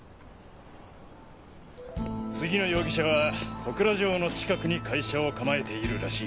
次の容疑者は小倉城の近くに会社を構えているらしい。